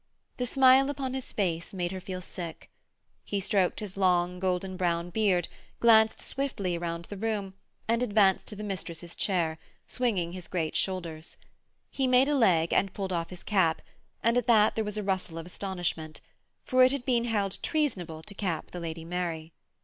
The smile upon his face made her feel sick. He stroked his long, golden brown beard, glanced swiftly round the room, and advanced to the mistress's chair, swinging his great shoulders. He made a leg and pulled off his cap, and at that there was a rustle of astonishment, for it had been held treasonable to cap the Lady Mary.